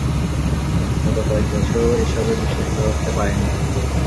গত কয়েকবছরেও এসবে বিশ্বাস করে উঠতে পারিনি!